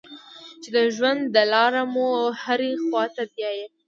چې د ژوند دا لاره مو هرې خوا ته بیايي.